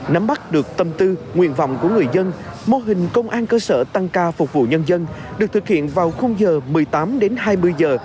nắm bắt được tâm tư nguyện vọng của người dân mô hình công an cơ sở tăng ca phục vụ nhân dân được thực hiện vào khung giờ một mươi tám đến hai mươi giờ